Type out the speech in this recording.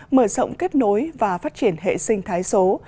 mở rộng kết nối và phát triển hệ sinh thái số